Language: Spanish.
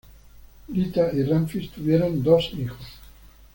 Lita y Ramfis tuvieron dos hijos.